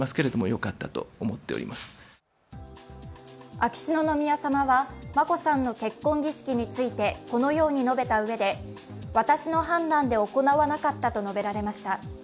秋篠宮さまは眞子さんの結婚の儀式についてこのように述べたうえで、私の判断で行わなかったと述べられました。